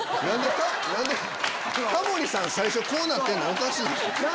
何で⁉タモリさん最初こうなってんのおかしいでしょ。